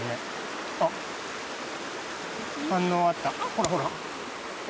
ほらほら。